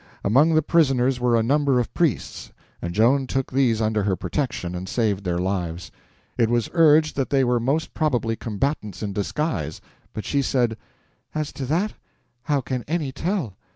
Among the prisoners were a number of priests, and Joan took these under her protection and saved their lives. It was urged that they were most probably combatants in disguise, but she said: "As to that, how can any tell?